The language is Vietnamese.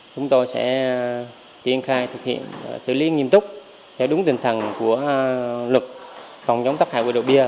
chúng tôi sẽ tiến khai thực hiện xử lý nghiêm túc theo đúng tình thần của lực phòng chống tác hại của độ bia